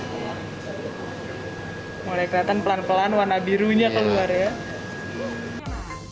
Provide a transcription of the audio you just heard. mulai kelihatan pelan pelan warna birunya keluar ya